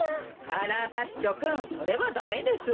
カラバッチョくんそれはダメです。